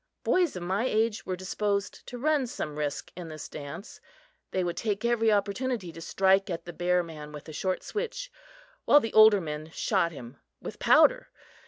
Boys of my age were disposed to run some risk in this dance; they would take every opportunity to strike at the bear man with a short switch, while the older men shot him with powder.